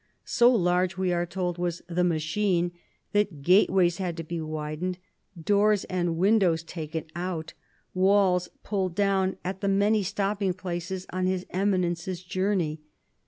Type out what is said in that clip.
So large, we are told, was the " machine," that gateways had to be widened, doors and windows taken out, walls pulled down, at the many stopping places on His Eminence's journey.